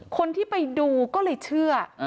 คนที่ไปดูก็เลยเชื่อ